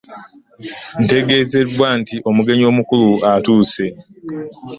Ntegezeebbwa nti omugenyi omukulu atuuse.